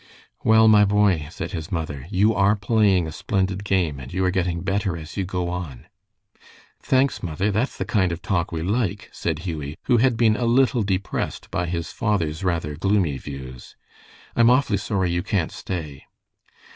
"Well, my boy," said his mother, "you are playing a splendid game, and you are getting better as you go on." "Thanks, mother. That's the kind of talk we like," said Hughie, who had been a little depressed by his father's rather gloomy views. "I'm awfully sorry you can't stay."